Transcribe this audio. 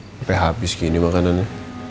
sampai habis gini makanannya